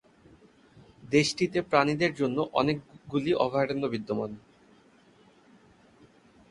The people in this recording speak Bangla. দেশটিতে প্রাণীদের জন্য অনেকগুলি অভয়ারণ্য বিদ্যমান।